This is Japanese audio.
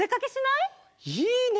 いいね！